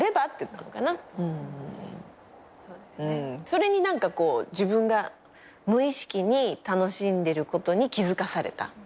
それに何かこう自分が無意識に楽しんでることに気付かされた。